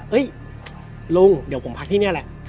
ลุงเดี๋ยวผมพักที่นี่แหละ